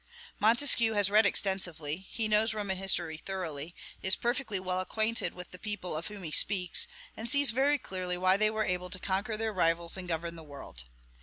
Montesquieu has read extensively; he knows Roman history thoroughly, is perfectly well acquainted with the people of whom he speaks, and sees very clearly why they were able to conquer their rivals and govern the world.